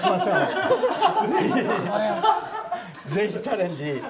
是非チャレンジ。